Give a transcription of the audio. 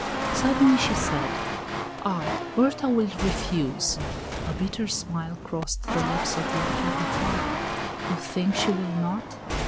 Suddenly she said: "Ah! Berta will refuse." A bitter smile crossed the lips of the unhappy father. "You think she will not?"